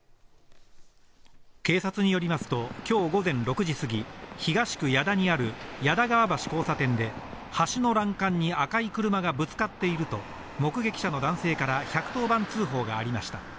警察によりますと、きょう午前６時過ぎ、東区矢田にある矢田川橋交差点で、橋の欄干に赤い車がぶつかっていると、目撃者の男性から１１０番通報がありました。